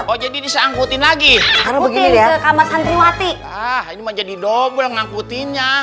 oh jadi bisa angkutin lagi kamar santriwati jadi dobel ngangkutin ya